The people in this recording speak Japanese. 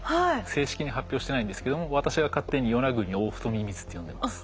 正式に発表してないんですけども私が勝手にヨナグニオオフトミミズって呼んでます。